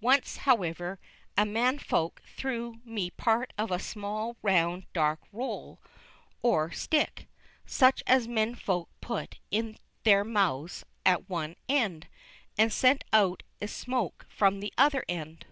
Once, however, a man Folk threw me part of a small round, dark roll or stick, such as men Folks put in their mouths at one end, and send out smoke from the other end.